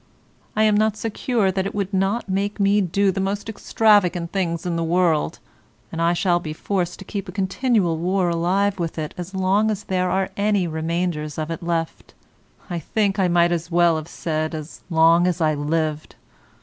I am not secure that it would not make me do the most extravagant things in the world, and I shall be forced to keep a continual war alive with it as long as there are any remainders of it left; I think I might as well have said as long as I lived.